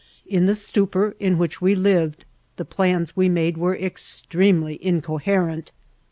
In the stupor in which we lived the plans we made were extremely incoherent.